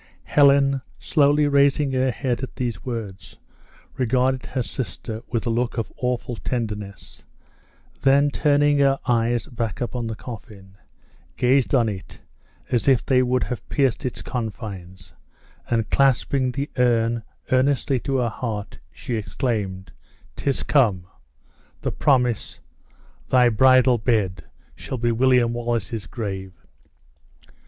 Helen, slowly raising her head at these words, regarded her sister with a look of awful tenderness, then turning her eyes back upon the coffin, gazed on it as if they would have pierced its confines, and clasping the urn earnestly to her heart, she exclaimed, "'Tis come! the promise Thy bridal bed shall be William Wallace's grave!"